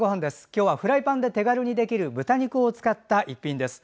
今日はフライパンで手軽にできる豚肉を使った一品です。